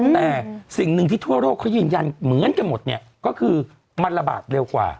แต่สิ่งหนึ่งที่ทั่วโลกเขายืนยันเหมือนกันหมดเนี่ยก็คือมันระบาดเร็วกว่า